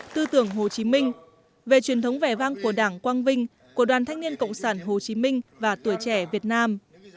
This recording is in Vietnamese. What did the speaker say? tư tưởng hồ chí minh về truyền thống vẻ vang của đảng quang vinh của đoàn thanh niên cộng sản hồ chí minh và tuổi trẻ việt nam